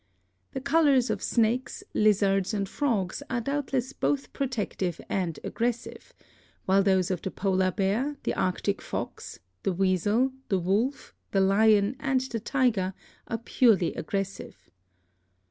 The colors of snakes, lizards and frogs are doubtless both protective and aggressive, while those of the polar bear, the arctic fox, the weasel, the wolf, the lion and the tiger are purely aggressive.